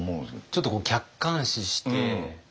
ちょっと客観視して。